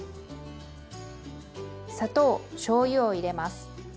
砂糖しょうゆを入れます。